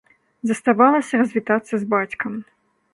Заставалася развітацца з бацькам.